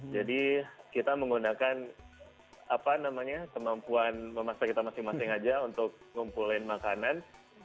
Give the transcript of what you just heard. jadi kita menggunakan apa namanya kemampuan memasak kita masing masing aja untuk ngumpulin makanan